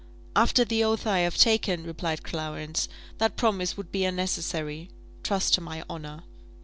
"After the oath I have taken," replied Clarence, "that promise would be unnecessary. Trust to my honour."